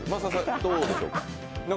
どうでしょうか。